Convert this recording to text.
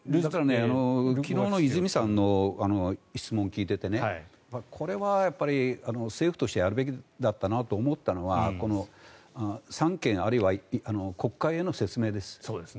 昨日の泉さんの質問を聞いていてこれは政府としてはやるべきだったなと思ったのは三権あるいは国会への説明です。